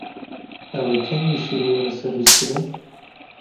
Ew ê kengî şîv were servîskirin?